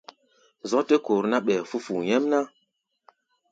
Zɔ̧́ tɛ́ kor ná, ɓɛɛ fú̧ fu̧u̧ nyɛ́mná.